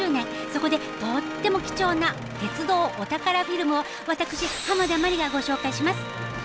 そこでとっても貴重な鉄道お宝フィルムを私濱田マリがご紹介します。